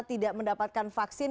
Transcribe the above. tidak mendapatkan vaksin